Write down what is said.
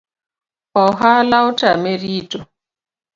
Ohala otame rito